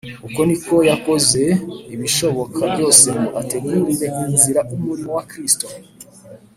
” Uko niko yakoze ibishoboka byose ngo ategurire inzira umurimo wa Kristo.